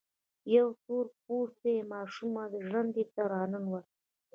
يوه تور پوستې ماشومه ژرندې ته را ننوته.